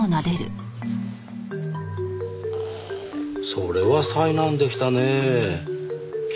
それは災難でしたねぇ君。